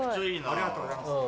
ありがとうございます。